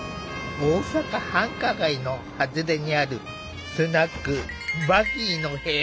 大阪繁華街の外れにあるスナック「バギーの部屋」。